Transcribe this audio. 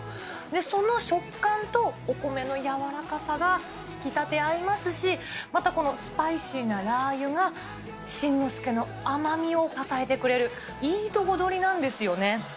その食感とお米の柔らかさが引き立て合いますし、またこのスパイシーなラー油が新之助の甘みを支えてくれる、いいとこ取りなんですよね。